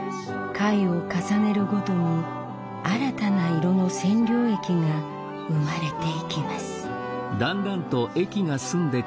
回を重ねるごとに新たな色の染料液が生まれていきます。